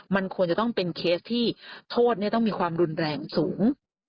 มันควรจะต้องเป็นเคสที่โทษต้องมีความรุนแรงสูง